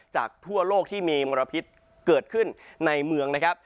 จากทั่วโลกที่มีมลพิษเกิดขึ้นในเมืองนะครับ